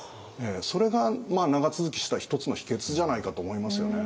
それが長続きした一つの秘訣じゃないかと思いますよね。